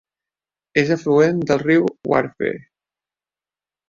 És afluent del riu Wharfe.